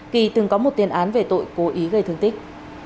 kỳ từng có một tiền án về tội cố ý gây thương tích